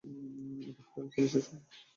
এটা ফেডারেল পুলিশের সম্পত্তি।